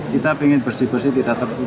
kita pengen bersih bersih